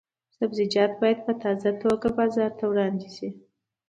سبزیجات باید په تازه توګه بازار ته وړاندې شي.